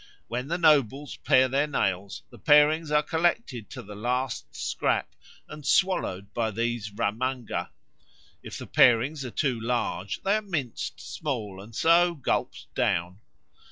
When the nobles pare their nails, the parings are collected to the last scrap and swallowed by these ramanga. If the parings are too large, they are minced small and so gulped down.